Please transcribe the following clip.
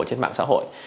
trên mạng xã hội